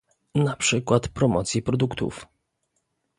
na przykład promocje produktów